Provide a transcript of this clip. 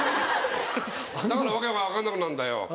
だから訳が分かんなくなんだよ。